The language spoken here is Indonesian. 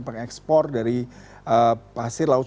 pengekspor dari pasir laut